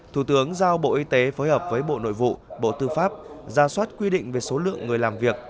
thủ tướng giao bộ y tế phối hợp với bộ nội vụ bộ tư pháp ra soát quy định về số lượng người làm việc